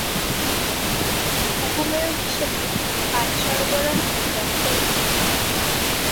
উপ-মেয়র হিসাবে তিনি পানি সরবরাহের দফতরে ছিলেন।